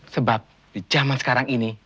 sebab di zaman sekarang ini